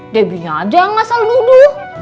debbie nya ada yang ngasal duduk